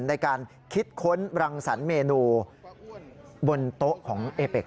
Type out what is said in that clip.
ในการคิดค้นรังสรรคเมนูบนโต๊ะของเอเป็ก